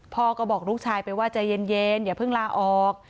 พ่อก็บอกลูกชายไปว่าใจเย็นอย่าเพิ่งลาออก